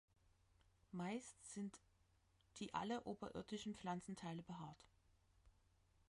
Meist sind die alle oberirdischen Pflanzenteile behaart.